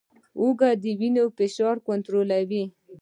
هوږه د وینې فشار کنټرولوي